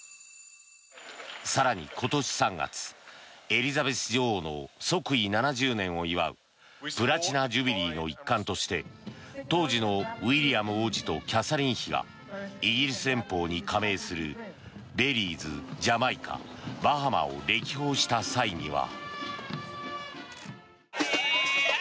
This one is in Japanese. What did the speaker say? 更に今年３月、エリザベス女王の即位７０年を祝うプラチナ・ジュビリーの一環として当時のウィリアム王子とキャサリン妃がイギリス連邦に加盟するベリーズ、ジャマイカ、バハマを歴訪した際には。